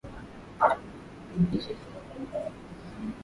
Dunia inaadhimisha uhuru wa vyombo vya habari